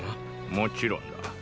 もちろんだ。